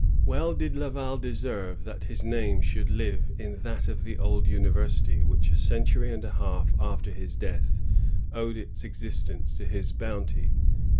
Well did Laval deserve that his name should live in that of the university which a century and a half after his death owed its existence to his bounty.